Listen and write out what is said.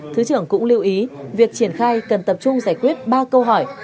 thứ trưởng cũng lưu ý việc triển khai cần tập trung giải quyết ba câu hỏi